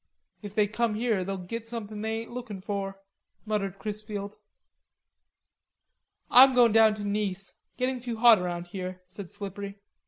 "If they come here they'll git somethin' they ain't lookin' for," muttered Chrisfield. "I'm goin' down to Nice; getting too hot around here," said Slippery.